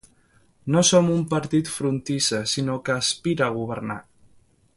No som un partit frontissa sinó que aspira a governar.